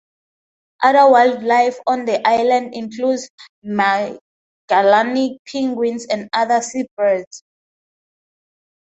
Other wildlife on the island includes Magellanic penguins and other seabirds.